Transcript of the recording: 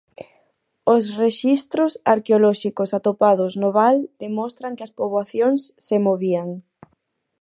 Os rexistros arqueolóxicos atopados no val demostran que as poboacións se movían.